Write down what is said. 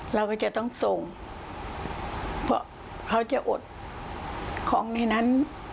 เราก็จะต้องส่งเพราะเขาจะอดของในนั้น